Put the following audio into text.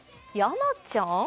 やまちゃん？